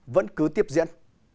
vẫn cứ tiếp diễn